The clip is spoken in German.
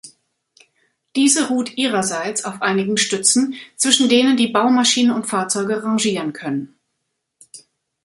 Diese ruht ihrerseits auf einigen Stützen, zwischen denen die Baumaschinen und -Fahrzeuge rangieren können.